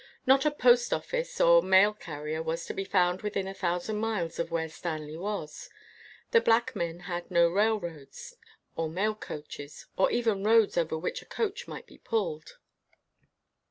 Not a post office or mail car rier was to be found within a thousand miles of where Stanley was. The black men had no railroads, or mail coaches or even roads over which a coach might be pulled.